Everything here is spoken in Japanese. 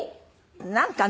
なんかね。